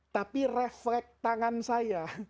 tapi refleks tangan saya